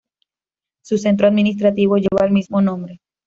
Su centro administrativo lleva el mismo nombre.